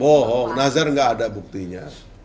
bohong nazar nggak ada buktinya